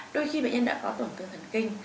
đôi khi bệnh nhân đã có tổn thương thần kinh